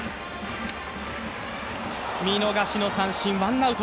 見逃しの三振、ワンアウト。